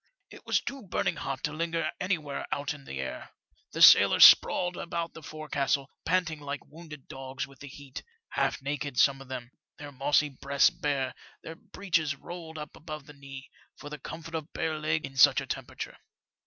It was too burning hot to linger anywhere out of the air. The sailors sprawled about the forcastle, panting like wounded dogs with the heat — half naked some of them, their mossy breasts bare, their breeches rolled up above the knees, for the comfort of bare legs in such a temperature.